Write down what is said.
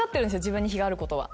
自分に非があることは。